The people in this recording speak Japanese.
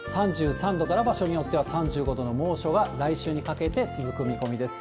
３３度から、場所によっては３４度の猛暑が、来週にかけて続く見込みです。